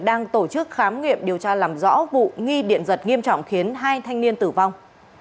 đang tổ chức khám nghiệm điều tra làm rõ vụ nghi điện giật nghiêm trọng khiến hai thanh niên tử vong